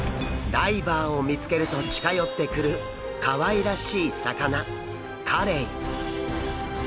ダイバーを見つけると近寄ってくるかわいらしい魚カレイ。